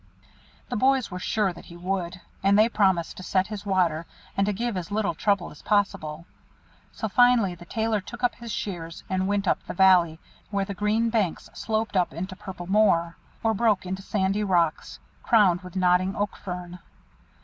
The boys were sure that he would, and they promised to set his water, and to give as little trouble as possible; so, finally, the Tailor took up his shears and went up the valley, where the green banks sloped up into purple moor, or broke into sandy rocks, crowned with nodding oak fern.